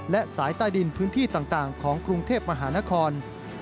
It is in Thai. และสายใต้ดินพื้นที่ต่างของกรุงเทพมหานคร